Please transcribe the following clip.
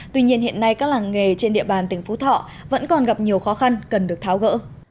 tuy nhiên hiện nay các làng nghề trên địa bàn tỉnh phú thọ vẫn còn gặp nhiều khó khăn cần được tháo gỡ